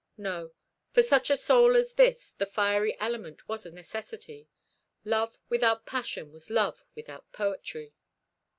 No, for such a soul as this the fiery element was a necessity. Love without passion was love without poetry.